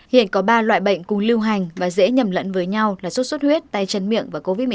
hiện có ba loại bệnh cùng lưu hành và dễ nhầm lẫn với nhau là sốt xuất huyết tay chân miệng và covid một mươi chín